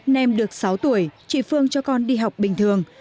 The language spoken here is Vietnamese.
nem được sáu tuổi chị phương cho con đi học bình thường